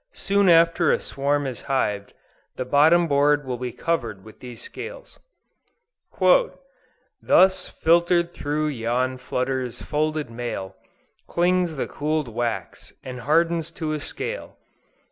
Soon after a swarm is hived, the bottom board will be covered with these scales. "Thus, filtered through yon flutterer's folded mail, Clings the cooled wax, and hardens to a scale.